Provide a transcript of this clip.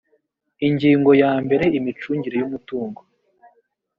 ingingo ya mbere imicungire y umutungo